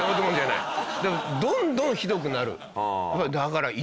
でもどんどんひどくなる。